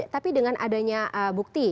tapi dengan adanya bukti